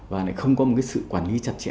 và lại không có một cái sự quản lý chặt chẽ